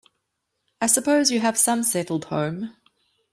I suppose you have some settled home.